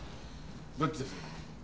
どっちです？